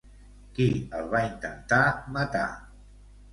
Qui el va intentar matar?